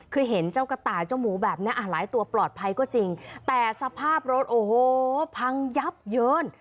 คือเห็นเจ้ากระต่ายเจ้าหมูแบบนี้อ่ะหลายตัวปลอดภัยก็จริงแต่สภาพรถโอ้โหพังยับเยิน